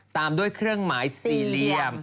ตามด้วยเครื่องหมายสี่เหลี่ยม